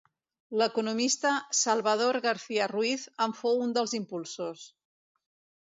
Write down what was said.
L'economista Salvador Garcia-Ruiz en fou un dels impulsors.